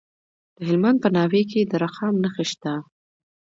د هلمند په ناوې کې د رخام نښې شته.